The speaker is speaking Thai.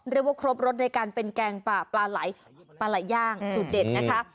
เรียกว่าครบรสในการเป็นแกงป่าปลาไหลปลาไหลย่างสูตรเด็ดนะคะ